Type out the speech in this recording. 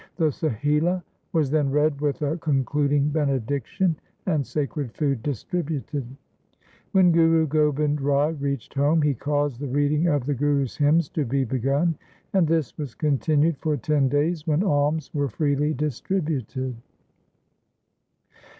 The Sohila was then read with a conclud ing benediction and sacred food distributed. When Guru Gobind Rai reached home, he caused the reading of the Gurus' hymns to be begun, and this was continued for ten days, when alms were freely distributed.